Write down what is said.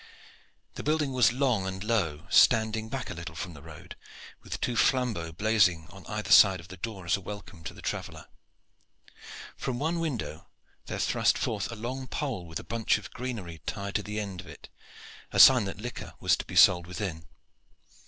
The building was long and low, standing back a little from the road, with two flambeaux blazing on either side of the door as a welcome to the traveller. From one window there thrust forth a long pole with a bunch of greenery tied to the end of it a sign that liquor was to be sold within.